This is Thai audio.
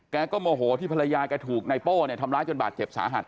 ก็โมโหที่ภรรยาแกถูกนายโป้เนี่ยทำร้ายจนบาดเจ็บสาหัส